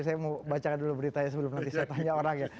saya mau bacakan dulu beritanya sebelum nanti saya tanya orang ya